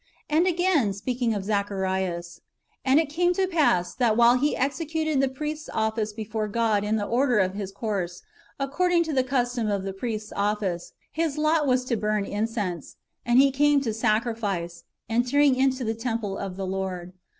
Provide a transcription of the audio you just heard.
"^ And again, speaking of Zacharias :^' And it came to pass, that while he executed the priest's office before God in the order of his course, according to the custom of the priest's office, his lot was to burn incense;"^ and he came to sacrifice, "entering into the temple of the Lord."